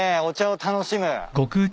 お茶を楽しむ。